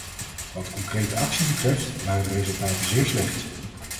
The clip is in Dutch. Wat concrete actie betreft, waren de resultaten zeer slecht.